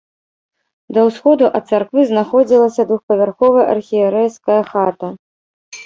Да ўсходу ад царквы знаходзілася двухпавярховая архірэйская хата.